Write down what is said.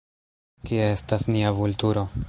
Kie estas nia Vulturo?